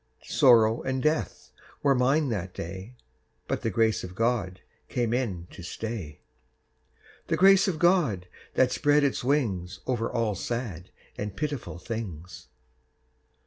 Sorrow and death were mine that day, But the Grace of God came in to stay; The Grace of God that spread its wings Over all sad and pitiful things.